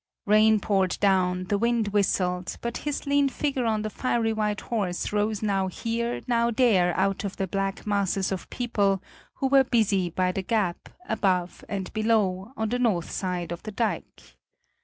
Rain poured down, the wind whistled; but his lean figure on the fiery white horse rose now here, now there out of the black masses of people who were busy by the gap, above and below, on the north side of the dike.